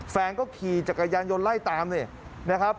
แฟนก็ขี่จักรยานยนต์ไล่ตามเนี่ยนะครับ